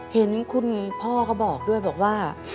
เห็นคุณพ่อเขาบอกด้วยบอกว่า